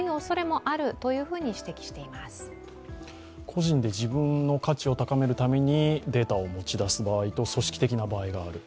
個人で自分の価値を高めるためにデータを持ち出す場合と組織的な場合がある。